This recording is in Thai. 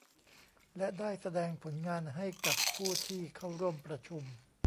และได้แสดงผลงานให้กับผู้ที่เข้าร่วมประชุม